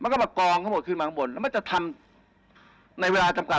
ก็มากองทั้งหมดขึ้นมาข้างบนแล้วมันจะทำในเวลาจำกัด